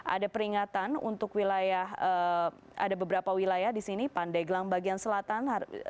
ada peringatan untuk wilayah ada beberapa wilayah di sini pandeglang bagian selatan